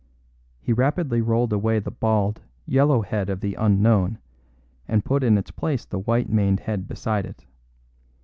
He rapidly rolled away the bald, yellow head of the unknown, and put in its place the white maned head beside it.